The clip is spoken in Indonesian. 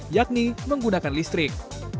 yakni menggunakan listrik